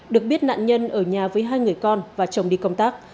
được biết nạn nhân ở nhà với hai người con và chồng đi công tác